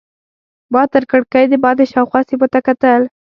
ما تر کړکۍ دباندې شاوخوا سیمو ته کتل.